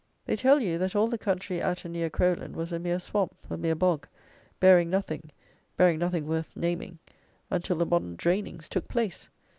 They tell you, that all the country at and near Crowland was a mere swamp, a mere bog, bearing nothing, bearing nothing worth naming, until the modern drainings took place!